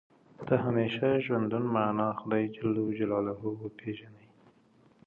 د همیشه ژوندون معنا خدای جل جلاله وپېژني.